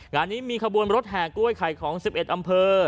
งานนี้มีขบวนรถแห่กล้วยไข่ของ๑๑อำเภอ